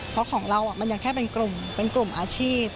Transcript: เพราะของเรามันยังแค่เป็นกลุ่มเป็นกลุ่มอาชีพ